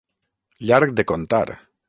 Llarg de contar.